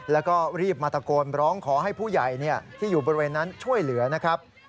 แล้วก็รีบมาตะโกนร้องขอให้ผู้ใหญ่ที่อยู่บริเวณนั้นช่วยเหลือนะครับ